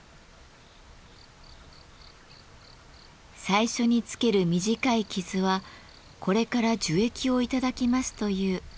最初につける短い傷はこれから樹液を頂きますというご挨拶。